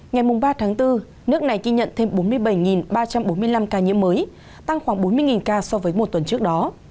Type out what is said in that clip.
ngày ba tháng bốn nước này ghi nhận thêm bốn mươi bảy ba trăm bốn mươi năm ca nhiễm mới tăng khoảng bốn mươi ca so với một tuần trước đó